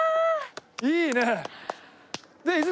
いいね！